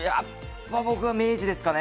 僕は明治ですかね。